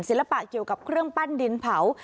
ศิลปะเกี่ยวกับเครื่องปั้นดินเผา